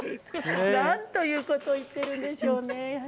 何ということを言ってるんでしょうね。